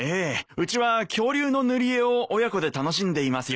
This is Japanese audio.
うちは恐竜の塗り絵を親子で楽しんでいますよ。